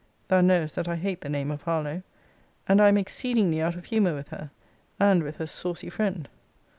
Thou knowest that I hate the name of Harlowe; and I am exceedingly out of humour with her, and with her saucy friend.